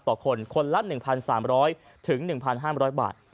ต่อคนคนละ๑๓๐๐๑๕๐๐บาท